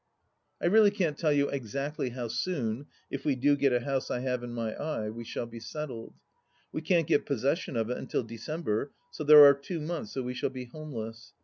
... I really can't tell you exactly how soon, if we do get a house I have in my eye, we shall be settled. We can't get possession of it until December, so there are two months that we shall be homeless.